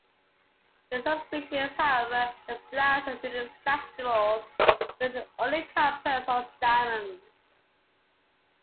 In some species, however, the flowers are unisexual with only carpels or stamens.